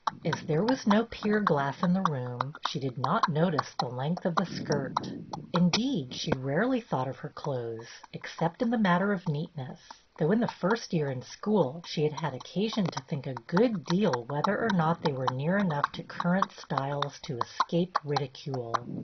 As there was no pier glass in the room she did not notice the length of the skirt. Indeed, she rarely thought of her clothes, except in the matter of neatne, ss — though in the first year in school she had had occasion to think a good deal whether or not they were near THE CLASS ELECTION 251 enough to current styles to escape ridicule.